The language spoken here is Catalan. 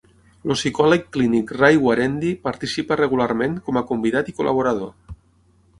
El psicòleg clínic Ray Guarendi participa regularment com a convidat i col·laborador.